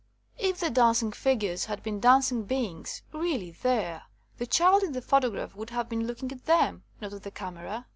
If the dancing figures had been dancing beings, really there, the child in the photograph would have been looking at them, not at the camera.